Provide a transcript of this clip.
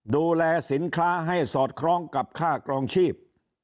ดูแลสินค้าให้สอดคล้องกับค่ากรองชีพ